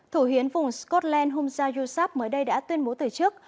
thủ hiến vùng scotland humza yousaf mới đây đã tuyên bố từ trước